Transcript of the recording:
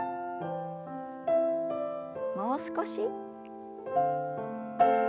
もう少し。